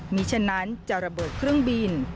มีฉะนั้นจะระเบิดเครื่องบิน